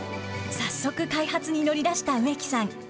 早速開発に乗り出した植木さん。